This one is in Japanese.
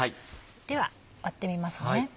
では割ってみますね。